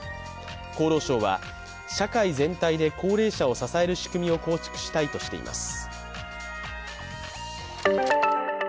厚労省社会全体で高齢者を支える仕組みを構築したいとしています。